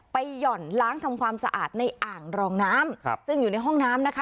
หย่อนล้างทำความสะอาดในอ่างรองน้ำซึ่งอยู่ในห้องน้ำนะคะ